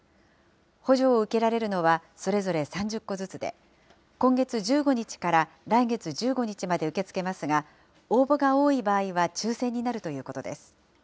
補助を受けられるのはそれぞれ３０戸ずつで、今月１５日から来月１５日まで受け付けますが、応募が多い場合は抽せんになるということです。